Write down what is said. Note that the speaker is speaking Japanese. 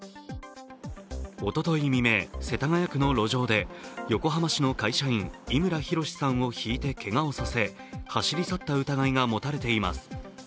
おととい未明、世田谷区の路上で横浜市の会社員、伊村周さんをひいてけがをさせ、走り去った疑いが持たれています。